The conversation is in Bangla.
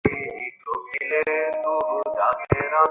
পৃথিবীতে একটা পাতলা কুয়াশার চাদর ঝুলছে।